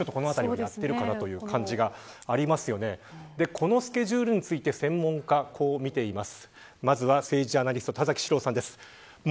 このスケジュールについて専門家こう見ています。